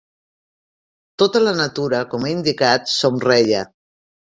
Tota la natura, com he indicat, somreia.